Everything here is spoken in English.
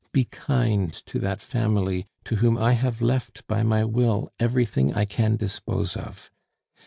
Be kind to that family to whom I have left by my will everything I can dispose of.